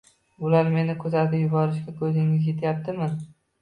— Ular meni tuzatib yuborishiga ko‘zingiz yetyaptimi?